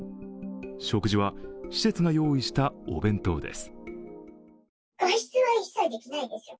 食事は施設が用意したお弁当です。